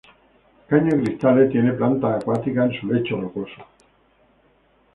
Caño Cristales tiene plantas acuáticas en su lecho rocoso.